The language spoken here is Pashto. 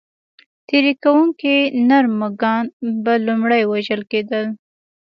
تېري کوونکي نر مږان به لومړی وژل کېدل.